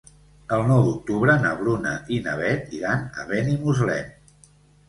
El nou d'octubre na Bruna i na Beth iran a Benimuslem.